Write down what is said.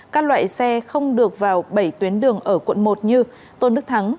các loại xe không được vào bảy tuyến đường ở quận một như tôn đức thắng